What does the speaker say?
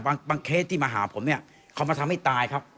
บางเคสที่มาหาผมเนี่ยเขามาทำให้ตายครับ